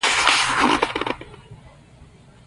زه اوسېږمه زما هلته آشیانې دي